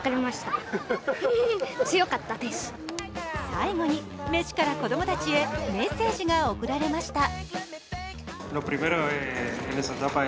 最後にメッシから子供たちにメッセージが送られました。